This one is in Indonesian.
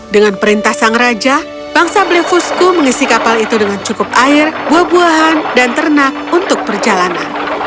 dengan perintah sang raja bangsa blefusku mengisi kapal itu dengan cukup air buah buahan dan ternak untuk perjalanan